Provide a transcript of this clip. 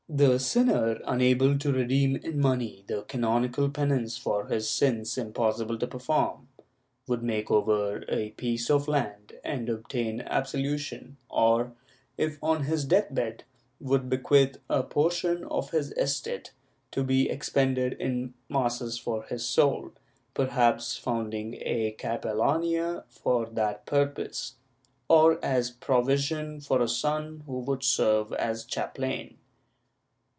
The sinner, unable to redeem in money the canonical penance for his sins impossible to perform, would make over a piece of land and obtain absolution or, if on his death bed, would bequeath a portion of his estate to be expended in masses for his soul — perhaps found ing a capellania for that purpose, or as provision for a son who would serve as chaplain.